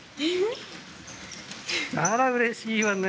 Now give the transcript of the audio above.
あらうれしいわね。